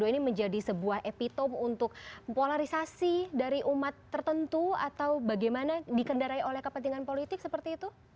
munajid dua ratus dua belas ini menjadi sebuah epitome untuk polarisasi dari umat tertentu atau bagaimana dikendarai oleh kepentingan politik seperti itu